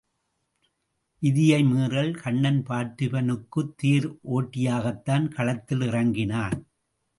விதியை மீறல் கண்ணன் பார்த்திபனுக்குத் தேர் ஒட்டியாகத்தான் களத்தில் இறங்கினான்.